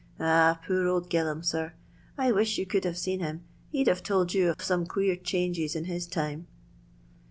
Ah, poor old Gilham, sir ; m could have seen him, he 'd haye told me queer changes in his time."